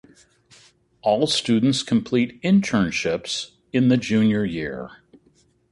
All students complete internships in the junior year.